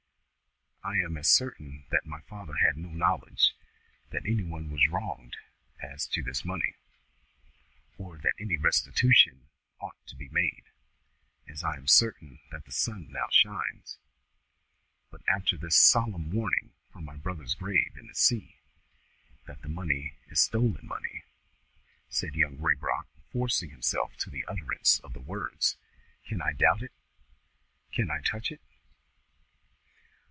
"I am as certain that my father had no knowledge that any one was wronged as to this money, or that any restitution ought to be made, as I am certain that the sun now shines. But, after this solemn warning from my brother's grave in the sea, that the money is Stolen Money," said Young Raybrock, forcing himself to the utterance of the words, "can I doubt it? Can I touch it?"